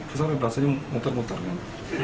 keseret rasanya muter muter kan